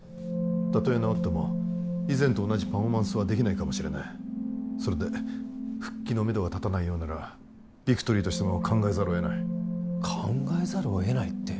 たとえ治っても以前と同じパフォーマンスはできないかもしれないそれで復帰のめどが立たないようならビクトリーとしても考えざるを得ない考えざるを得ないって